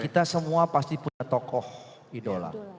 kita semua pasti punya tokoh idola